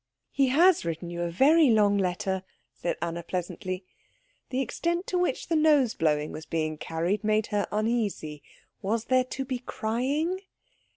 "He has written you a very long letter," said Anna pleasantly; the extent to which the nose blowing was being carried made her uneasy. Was there to be crying?